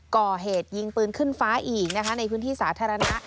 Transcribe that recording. ก่อเหตุยิงปืนขึ้นฟ้าอีกนะคะในพื้นที่สาธารณะ